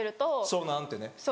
「そうなん」ってね。